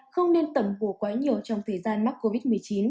hai không nên tẩm hùa quá nhiều trong thời gian mắc covid một mươi chín